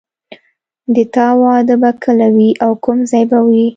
د تا واده به کله وي او کوم ځای به وي